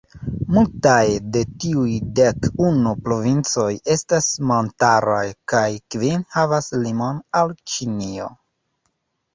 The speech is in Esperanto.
Multaj de tiuj dek unu provincoj estas montaraj, kaj kvin havas limon al Ĉinio.